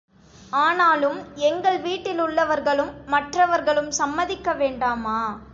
ஆனாலும் எங்கள் வீட்டிலுள்ளவர்களும் மற்றவர்களும் சம்மதிக்க வேண்டாமா?